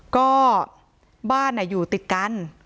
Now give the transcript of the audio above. ก็บ้านอยู่ติดกัน